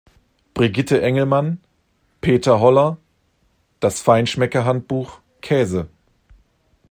Brigitte Engelmann, Peter Holler: "Das Feinschmecker-Handbuch Käse.